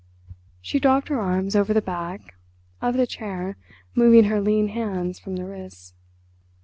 She dropped her arms over the back of the chair, moving her lean hands from the wrists.